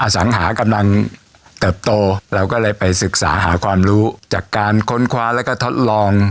สังหากำลังเติบโตเราก็เลยไปศึกษาหาความรู้จากการค้นคว้าแล้วก็ทดลอง